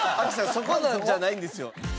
そこなんじゃないんですよ。